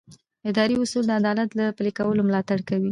اداري اصول د عدالت د پلي کولو ملاتړ کوي.